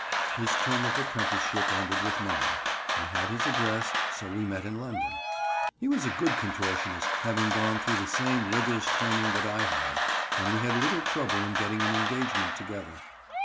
His term of apprenticeship ended with mine; I had his address, so we met in London. He was a good contortionist, having gone through the same rigorous training that I had, and we had little trouble in getting an engagement together.